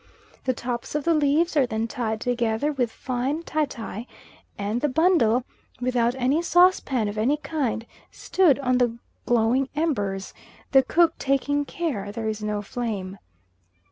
The tops of the leaves are then tied together with fine tie tie, and the bundle, without any saucepan of any kind, stood on the glowing embers, the cook taking care there is no flame.